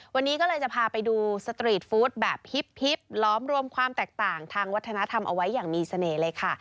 วันนี้ก็เลยจะพาไปดูสตรีทฟู้ดแบบฮิบล้อมรวมความแตกต่างทางวัฒนธรรมเอาไว้อย่างมีเสน่ห์เลยค่ะ